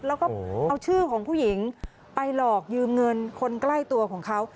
แล้วก็เอาชื่อของผู้หญิงไปหลอกยืมเงินคนใกล้ตัวของเขา